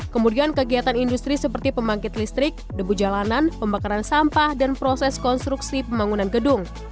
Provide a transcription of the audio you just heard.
kemudian kegiatan industri seperti pembangkit listrik debu jalanan pembakaran sampah dan proses konstruksi pembangunan gedung